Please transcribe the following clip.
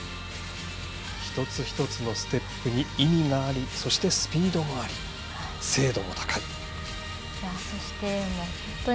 一つ一つのステップに意味がありそして、スピードもあり精度も高い。